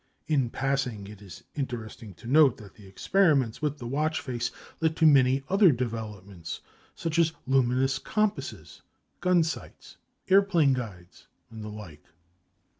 In passing, it is interesting to note that the experiments with the watch face led to many other developments, such as luminous compasses, gun sights, airplane guides, and the like.